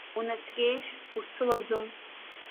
Унаскьеишь, усылаӡом.